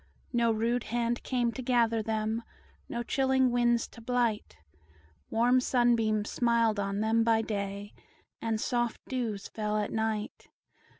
No rude hand came to gather them, No chilling winds to blight; Warm sunbeams smiled on them by day, And soft dews fell at night.